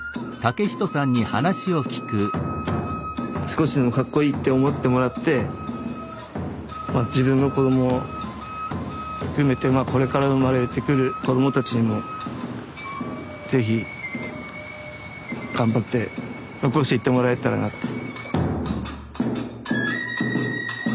少しでもかっこいいって思ってもらってまあ自分の子ども含めてまあこれから生まれてくる子どもたちにも是非頑張って残していってもらえたらなって。